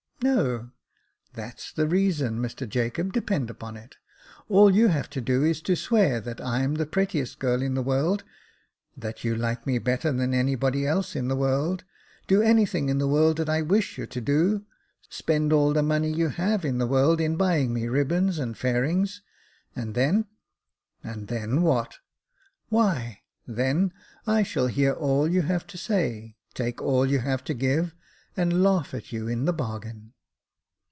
"" No." " That's the reason, Mr Jacob, depend upon it. All you have to do is to swear that I'm the prettiest girl in the world, that you like me better than any body else in the world ; do anything in the world that I wish you to do — spend all the money you have in the world in buying me ribbons and fairings, and then " "And then, what.?" "Why, then I shall hear all you have to say, take all you have to give, and laugh at you in the bargain."